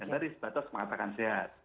tadi sebatas mengatakan sehat